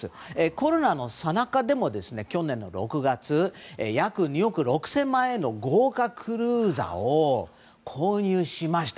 コロナのさなかでも、去年６月約２億６０００万円の豪華クルーザーを購入しました。